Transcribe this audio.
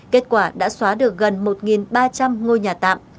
kết quả đã xóa được gần một ba trăm linh ngôi nhà tạm